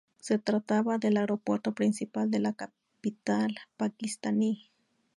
Se trataba del aeropuerto principal de la capital pakistaní.